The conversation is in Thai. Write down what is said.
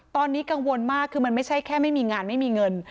ตอนนี้กังวลมากคือมันไม่ใช่แค่ไม่มีงานไม่มีเงิน